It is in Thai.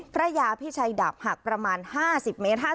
พระยาพิชัยดับหักประมาณ๕๐เมตร